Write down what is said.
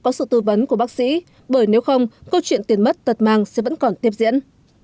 có sự tư vấn của bác sĩ bởi nếu không câu chuyện tiền mất tật mang sẽ vẫn còn tiếp diễn